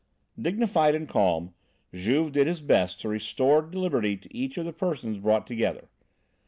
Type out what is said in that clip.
Dignified and calm, Juve did his best to restore liberty to each of the persons brought together.